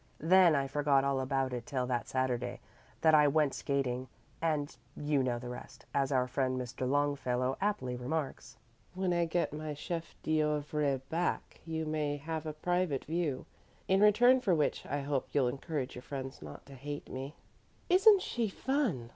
Then I forgot all about it till that Saturday that I went skating, and 'you know the rest,' as our friend Mr. Longfellow aptly remarks. When I get my chef d'oeuvre back you may have a private view, in return for which I hope you'll encourage your friends not to hate me." "Isn't she fun?"